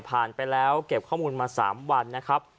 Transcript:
ไปแล้วเก็บข้อมูลมา๓วันนะครับ